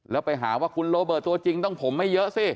แล้วไปหาว่าคุณโรเบิร์ตตัวจริงต้องผมไม่เยอะสิ